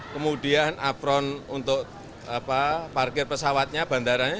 kemudian afron untuk parkir pesawatnya bandaranya